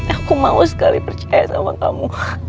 aku mau sekali percaya sama kamu